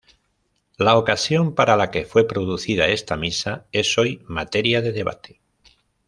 La ocasión para la que fue producida esta misa es hoy materia de debate.